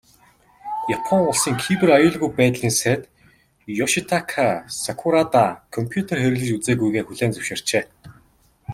Япон улсын Кибер аюулгүй байдлын сайд Ёшитака Сакурада компьютер хэрэглэж үзээгүйгээ хүлээн зөвшөөрчээ.